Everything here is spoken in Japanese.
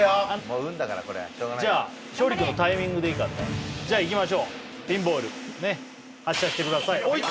もう運だからこれ昇利君のタイミングでいいからねじゃあいきましょうピンボール発射してください